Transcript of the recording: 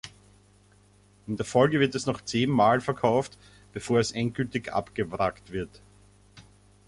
In der Folge wird es noch zehn Mal verkauft, bevor es endgültig abgewrackt wird.